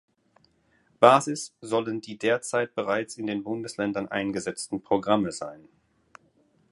Basis sollen die derzeit bereits in den Bundesländern eingesetzten Programme sein.